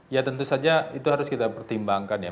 ya tentu saja itu harus kita pertimbangkan ya